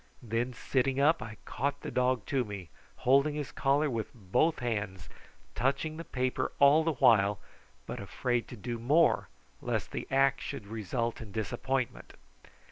Then, sitting up, I caught the dog to me, holding his collar with both hands, touching the paper all the while, but afraid to do more lest the act should result in disappointment.